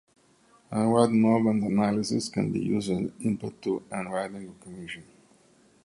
Handwriting movement analysis can be used as input to handwriting recognition.